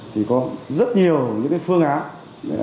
thì có rất nhiều những phương án